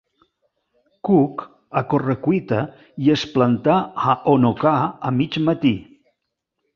Cook a corre-cuita i es plantà a Honoka'a a mig matí.